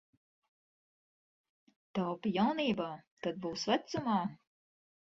Taupi jaunībā, tad būs vecumā.